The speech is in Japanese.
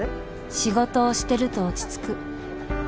仕事をしてると落ち着く